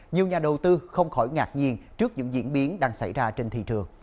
nhiều nhà đầu tư không khỏi ngạc nhiên trước những diễn biến đang xảy ra trên thị trường